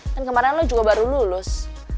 kan kemarin lo juga baru lulus